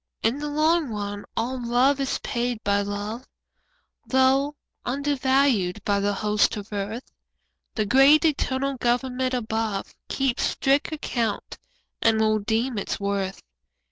In the long run all love is paid by love, Though undervalued by the hosts of earth; The great eternal Government above Keeps strict account and will redeem its worth.